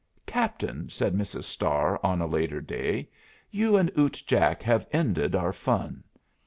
"Captain," said Mrs. Starr, on a later day, "you and Ute Jack have ended our fun.